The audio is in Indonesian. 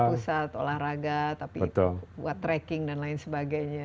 pusat olahraga tapi buat tracking dan lain sebagainya